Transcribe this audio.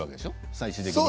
最終的には。